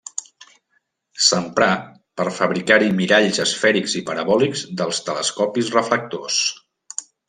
S'emprà per fabricar-hi miralls esfèrics i parabòlics dels telescopis reflectors.